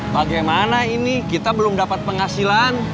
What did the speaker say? bagaimana ini kita belum dapat penghasilan